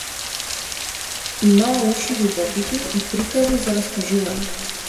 Имаа уши љубопитни и приказни за раскажување.